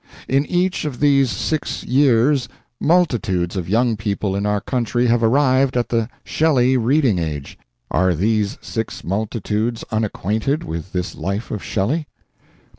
In each of these six years multitudes of young people in our country have arrived at the Shelley reading age. Are these six multitudes unacquainted with this life of Shelley?